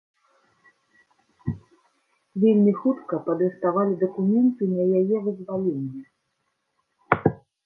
Вельмі хутка падрыхтавалі дакументы на яе вызваленне.